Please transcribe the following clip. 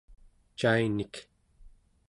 cainik